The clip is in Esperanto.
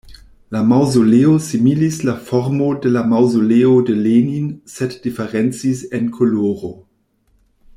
La maŭzoleo similis la formo de la Maŭzoleo de Lenin sed diferencis en koloro.